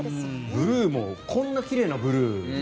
ブルーもこんなに奇麗なブルー。